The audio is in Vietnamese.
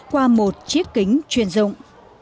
qua một chiếc kính chuyên dụng